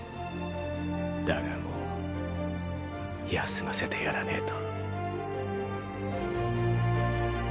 だがもう休ませてやらねぇと。